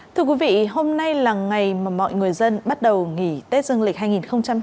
thưa quý vị hôm nay là ngày mà mọi người dân bắt đầu nghỉ tết dương lịch hai nghìn hai mươi bốn